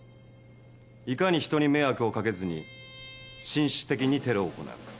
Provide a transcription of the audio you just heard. いかに人に迷惑をかけずに紳士的にテロを行うか。